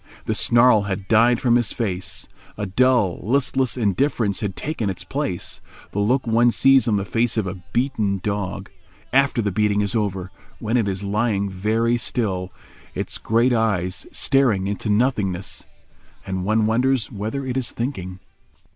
The snarl had died from his face; a dull, listless indifference had taken its place—the look one sees on the face of a beaten dog, after the beating is over, when it is lying very still, its great eyes staring into nothingness, and one wonders whether it is thinking.